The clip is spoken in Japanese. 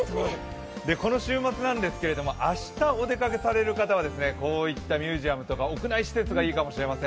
この週末なんですけれども、明日お出かけされる方はこういったミュージアムとか屋内施設がいいかもしれません。